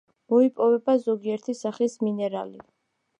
მოიპოვება ზოგიერთი სახის მინერალი.